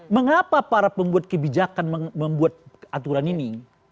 mengapa para pembuat kebijakan membuat aturan ini